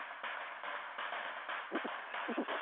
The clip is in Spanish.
Abogado y político chileno.